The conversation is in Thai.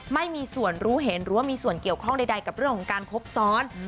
ไม่มีส่วนรู้เห็นหรือว่ามีส่วนเกี่ยวข้องใดกับเรื่องของการครบซ้อน